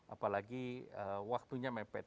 apalagi waktunya mepet